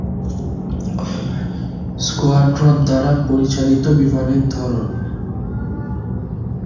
squadron দ্বারা পরিচালিত বিমানের ধরন